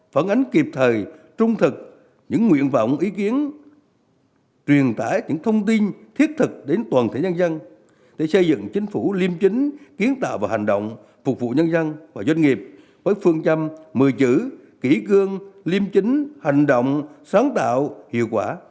phản ánh kịp thời trung thực những nguyện vọng ý kiến truyền tải những thông tin thiết thực đến toàn thể nhân dân để xây dựng chính phủ liêm chính kiến tạo và hành động phục vụ nhân dân và doanh nghiệp với phương châm một mươi chữ kỷ cương liêm chính hành động sáng tạo hiệu quả